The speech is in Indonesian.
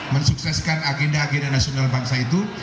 mensukseskan agenda agenda nasional bangsa itu